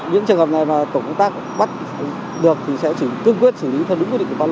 những trường hợp này mà tổ công tác bắt được thì sẽ cứ quyết xử lý theo đúng quyết định của báo luận